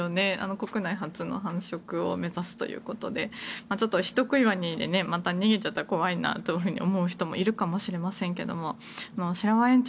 国内初の繁殖を目指すということでちょっと人食いワニでまた逃げちゃったら怖いなと思う人もいるかもしれませんが白輪園長